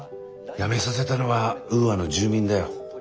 辞めさせたのはウーアの住民だよ。